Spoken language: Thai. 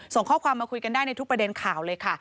ส่งข้อความมาคุยกันได้ในทุกประเด็นข่าวเลยค่ะ